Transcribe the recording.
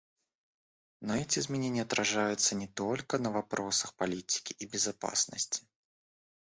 Но эти изменения отражаются не только на вопросах политики и безопасности.